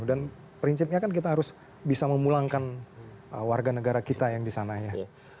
dan prinsipnya kan kita harus bisa memulangkan warga negara kita yang di sana ya